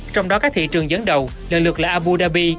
trong đó các thị trường dẫn đầu lần lượt là abu dhabi